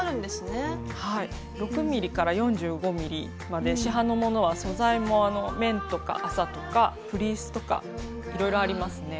６ｍｍ４５ｍｍまで市販のものは素材も綿とか麻とかフリースとかいろいろありますね。